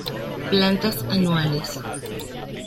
Plantas anuales.